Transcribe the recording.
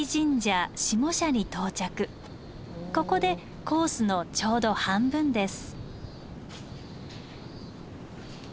ここでコースのちょうど半分です。